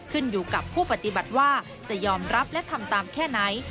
ขึ้นอยู่กับผู้ปฏิบัติว่าจะยอมรับและทำตามแค่ไหน